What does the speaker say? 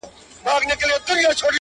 تاریخ د راتلونکې لار ښيي